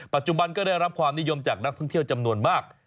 ปัจจุบันก็ได้รับความนิยมจากนักท่องเที่ยวจำนวนมาก